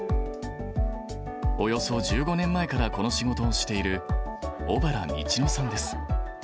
およそ１５年前からこの仕事をしている、小原路乃さんです。